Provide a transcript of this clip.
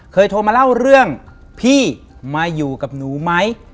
โทรมาเล่าเรื่องพี่มาอยู่กับหนูไหม